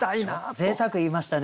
ぜいたく言いましたね。